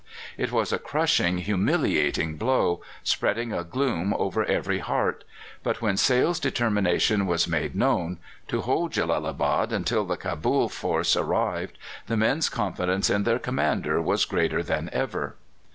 It was a crushing, humiliating blow, spreading a gloom over every heart; but when Sale's determination was made known to hold Jellalabad until the Cabul force arrived the men's confidence in their commander was greater than ever.